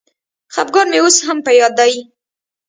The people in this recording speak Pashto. خپګان مي اوس هم په یاد دی.